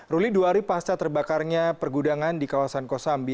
ruli dua hari pasca terbakarnya pergudangan di kawasan kosambi